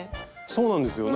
そうなんですよ。